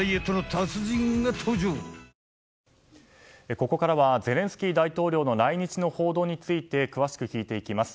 ここからはゼレンスキー大統領の来日の報道について詳しく聞いていきます。